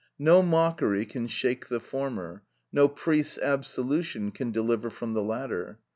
No mockery can shake the former; no priest's absolution can deliver from the latter.